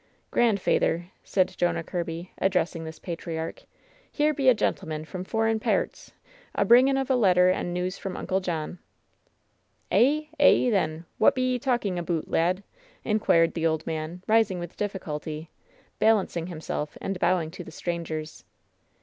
^^Grandfeyther/' said Jonah Kirby, addressing this patriarch, ^liere be a gentleman from foreign pairts a bringing of a letter and news from Uncle John/' "Eh! eh! then, what be ye talking aboot, lad?" in quired the old man, rising with difficulty, balancing him self, and bowing to the strangers.